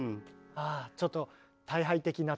ああちょっとそう。